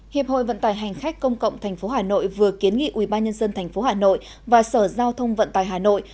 hiệp hội vận tài hành khách công cộng tp hà nội vừa kiến nghị ubnd tp hà nội và sở giao thông vận tải hà nội